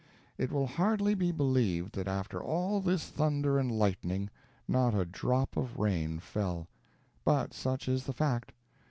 It will hardly be believed that after all this thunder and lightning not a drop of rain fell; but such is the fact.